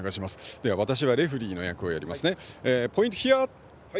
私がレフリーの役をやります。